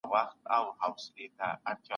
دا ناروغان د فیلر له تزریق وروسته ستونزې لرلې.